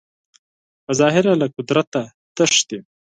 په ظاهره له قدرته تښتي